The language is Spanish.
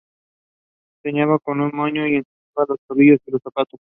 Se lleva con un moño y se enseñan los tobillos y los zapatos.